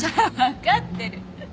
分かってる。